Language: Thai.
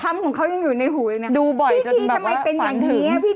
มาทั้งคู่เลย